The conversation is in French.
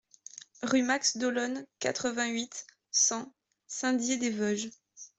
Rue Max D'Ollone, quatre-vingt-huit, cent Saint-Dié-des-Vosges